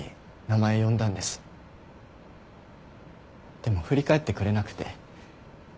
でも振り返ってくれなくて。